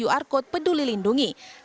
yang akan diperlukan oleh petugas kecamatan